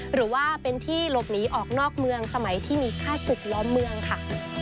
หรือว่าเป็นที่หลบหนีออกนอกเมืองสมัยที่มีค่าศึกล้อมเมืองค่ะ